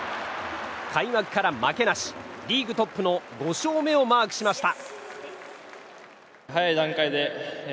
開幕から負けなしリーグトップの５勝目をマークしました。